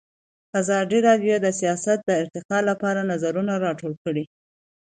ازادي راډیو د سیاست د ارتقا لپاره نظرونه راټول کړي.